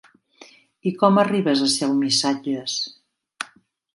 I com arribes a ser el missatges?